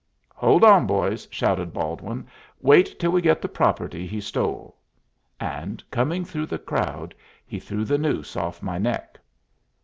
"Hold on, boys," shouted Baldwin; "wait till we get the property he stole." And, coming through the crowd, he threw the noose off my neck.